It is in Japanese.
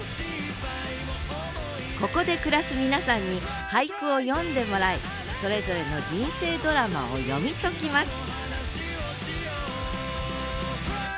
ここで暮らす皆さんに俳句を詠んでもらいそれぞれの人生ドラマを読み解きます